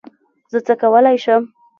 زه څه کولی شم؟